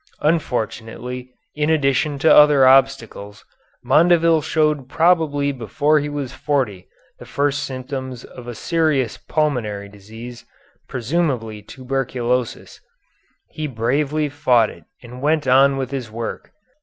Unfortunately, in addition to other obstacles, Mondeville showed probably before he was forty the first symptoms of a serious pulmonary disease, presumably tuberculosis. He bravely fought it and went on with his work.